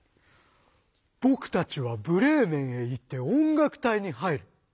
「僕たちはブレーメンへ行って音楽隊に入る！